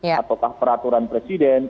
apakah peraturan presiden